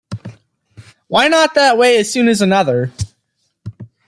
Why not that way as soon as another!